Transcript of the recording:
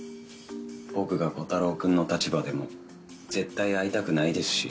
僕がコタローくんの立場でも絶対会いたくないですし。